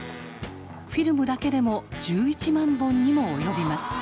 フィルムだけでも１１万本にも及びます。